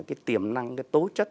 cái tiềm năng cái tố chất